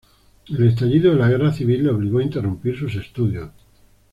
El estallido de la Guerra Civil le obligó a interrumpir sus estudios.